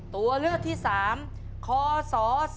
ตัวเลือกที่๓คศ๒๕๖